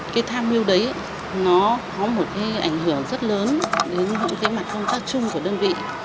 cái tham mưu đấy nó có một cái ảnh hưởng rất lớn đến những cái mặt công tác chung của đơn vị